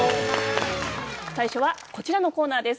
最初はこちらのコーナーです。